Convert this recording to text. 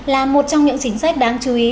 là một trong những chính sách đáng chú ý